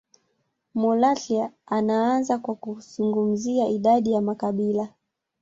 Mulatya anaanza kwa kuzungumzia idadi ya makabila